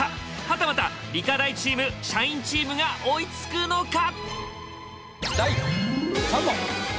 はたまた理科大チーム社員チームが追いつくのか？